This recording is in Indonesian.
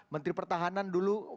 menteri pertahanan dulu